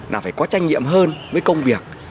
là phải có tranh nhiệm hơn với công việc